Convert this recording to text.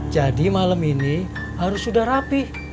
jadi malam ini harus sudah rapih